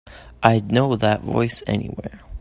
I'd know that voice anywhere.